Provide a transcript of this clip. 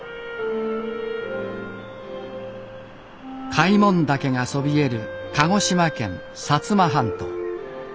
開聞岳がそびえる鹿児島県摩半島。